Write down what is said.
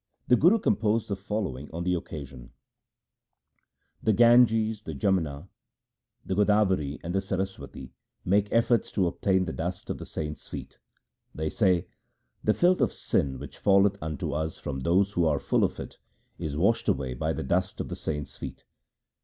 The Guru composed the following on the occasion :— The Ganges, the Jamna, the Godavari, and the Saraswati make efforts to obtain the dust of the saints' feet. They say ' The filth of sin which falleth into us from those who are full of it, is washed away by the dust of the saints' feet.'